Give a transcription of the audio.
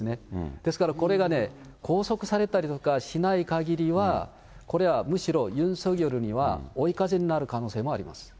ですから、これがね、拘束されたりとかしないかぎりは、これはむしろ、ユン・ソギョルには追い風になる可能性もあります。